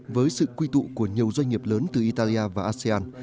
với sự quy tụ của nhiều doanh nghiệp lớn từ italia và asean